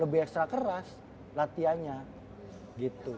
lebih ekstra keras latihannya gitu